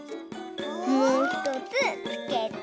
もうひとつつけて。